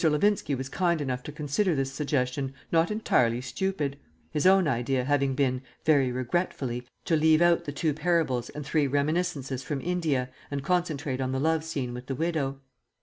Levinski was kind enough to consider this suggestion not entirely stupid; his own idea having been (very regretfully) to leave out the two parables and three reminiscences from India and concentrate on the love scene with the widow.